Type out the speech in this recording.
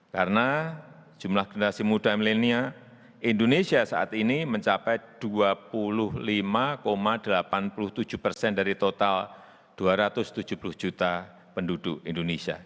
karena jumlah generasi muda millennia indonesia saat ini mencapai dua puluh lima delapan puluh tujuh persen dari total dua ratus tujuh puluh juta penduduk indonesia